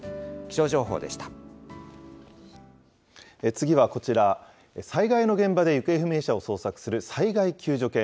次はこちら、災害の現場で行方不明者を捜索する災害救助犬。